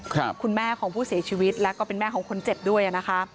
คุณแม่ของผู้เสียชีวิตแล้วก็เป็นแม่ของคนเจ็บด้วยอ่ะนะคะ